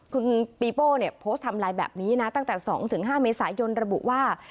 คุณปีโป้เนี่ยโพสต์ทำลายแบบนี้นะตั้งแต่๒๕เมษายนระบุว่า